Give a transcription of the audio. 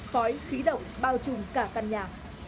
khói khí động bao trùm cả căn nhà